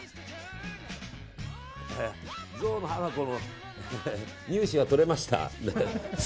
ゾウの花子の乳歯が取れました。